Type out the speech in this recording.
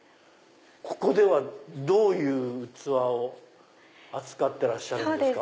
ここではどういう器を扱ってらっしゃるんですか？